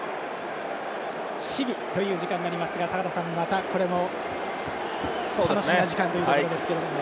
シビという時間になりますが坂田さん、これも楽しみな時間ということですが。